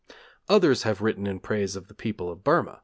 Others have written in praise of the people of Burma.